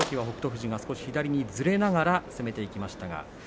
富士が左にずれながら攻めていきました。